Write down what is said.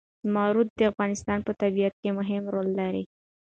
زمرد د افغانستان په طبیعت کې مهم رول لري.